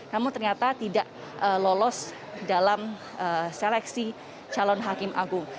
namun ternyata tidak lolos dalam seleksi calon hakim agung